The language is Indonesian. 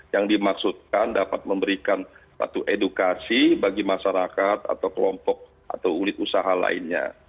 yang dimaksudkan dapat memberikan satu edukasi bagi masyarakat atau kelompok atau unit usaha lainnya